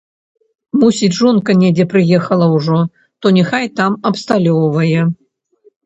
Мусіць, жонка недзе прыехала ўжо, то няхай там абсталёўвае.